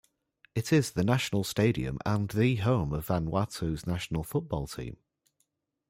It is the national stadium and the home of Vanuatu's national football team.